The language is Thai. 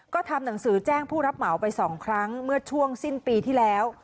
ก็ทำหนังสือแจ้งผู้รับเหมาไป๒ครั้งเมื่อช่วงสิ้นปีที่แล้ว